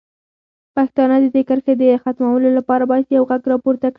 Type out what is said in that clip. پښتانه د دې کرښې د ختمولو لپاره باید یو غږ راپورته کړي.